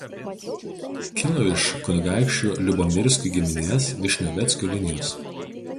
Kilo iš kunigaikščių Liubomirskių giminės Višnioveckių linijos.